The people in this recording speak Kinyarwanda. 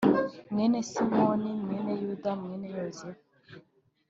mwene Simiyoni mwene Yuda mwene Yosefu